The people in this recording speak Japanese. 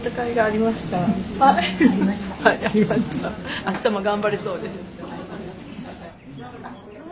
あしたも頑張れそうです。